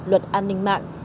luật an ninh mạng